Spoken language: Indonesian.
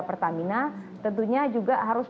pertamina tentunya juga harus